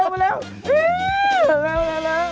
มาเร็ว